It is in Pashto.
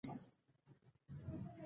دا یې هم تر جنازې لاندې شوه.